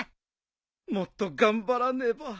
もっと頑張らねば。